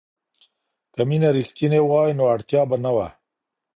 که مینه رښتینې وای نو اړتیا به نه وه.